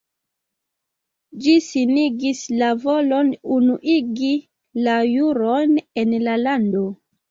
Ĝi signis la volon unuigi la juron en la lando.